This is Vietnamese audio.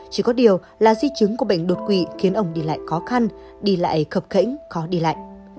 chỉ có điều là di chứng của bệnh đột quỵ khiến ông đi lại khó khăn đi lại khập khễnh khó đi lại